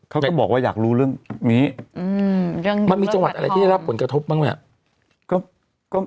ก็บอกว่าอยากรู้เรื่องนี้มันมีจังหวัดอะไรที่ได้รับผลกระทบบ้างไหม